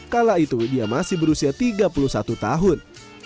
kala itu dia masih berusia tiga puluh satu tahun